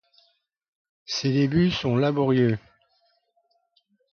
Ses débuts sont laborieux.